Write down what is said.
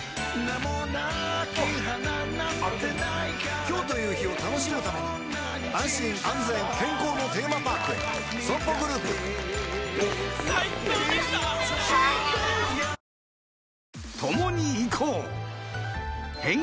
今日という日を楽しむために安心安全健康のテーマパークへＳＯＭＰＯグループサイレンとともに駆けつけた